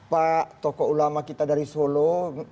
pak tokoh ulama kita dari solo